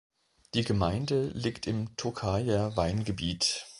Die Gemeinde liegt im Tokajer Weingebiet.